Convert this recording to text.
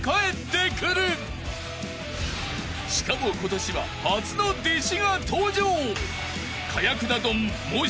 ［しかも今年は初の弟子が登場］